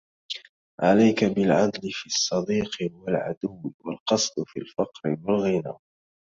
عليك بالعدل في الصّديق والعدو، والقصد في الفقر والغِنى.